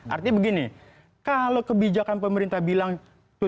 artinya begini kalau kebijakan pemerintah bilang